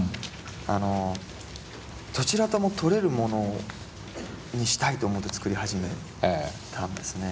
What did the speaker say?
あのどちらとも取れるものにしたいと思って作り始めたんですね。